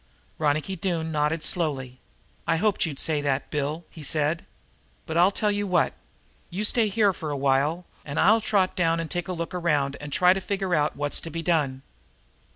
Ronicky Doone nodded slowly. "I hoped you'd say that, Bill," he said. "But I'll tell you what: you stay here for a while, and I'll trot down and take a look around and try to figure out what's to be done.